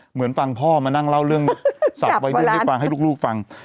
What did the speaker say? เหมือนฟังพ่อมานั่งเล่าเรื่องสะอาบไว้หนูให้ลูกฟัง